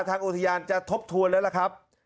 ทางอุทยานจะทบทวนแล้วล่ะครับ